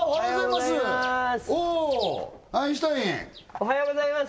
おはようございます